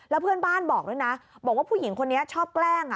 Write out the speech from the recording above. แล้วเพื่อนบ้านบอกด้วยนะบอกว่าผู้หญิงคนนี้ชอบแกล้ง